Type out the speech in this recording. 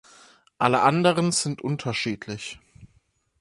Alle anderen sind unterschiedlich.